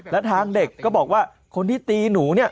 แล้วทางเด็กก็บอกว่าคนที่ตีหนูเนี่ย